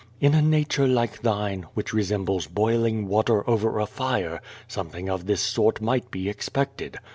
In a nature like thine, which resembles boiling water over a fire, something of this sort might be expected.